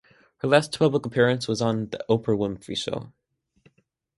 Her last public appearance was on "The Oprah Winfrey Show".